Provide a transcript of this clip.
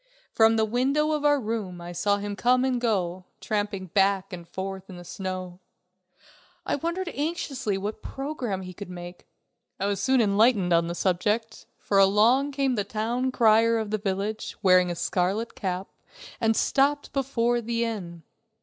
From the window of our room I saw him come and go, tramping back and forth in the snow. I wondered anxiously what program he could make. I was soon enlightened on this subject, for along came the town crier of the village, wearing a scarlet cap, and stopped before the inn.